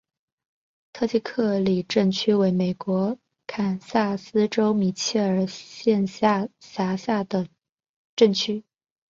特基克里克镇区为美国堪萨斯州米切尔县辖下的镇区。